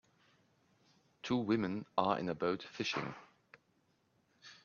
two women are in a boat fishing